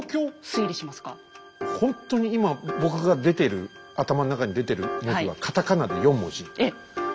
ほんとに今僕が出てる頭の中に出てる文字はカタカナで四文字。